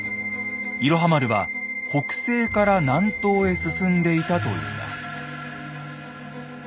「いろは丸」は北西から南東へ進んでいたといいます。